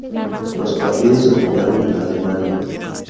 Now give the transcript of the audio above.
Los partidos se jugaron en Alemania.